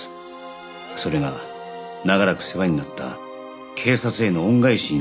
それが永らく世話になった警察への恩返しになると信じて